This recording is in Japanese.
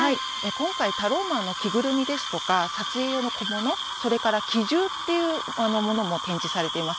今回、タローマンの着ぐるみですとか、撮影用の小物、それから奇獣というものも展示されています。